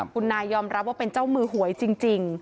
คุณนายยอมรับว่าเป็นเจ้ามือหวยจริง